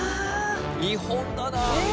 日本だな。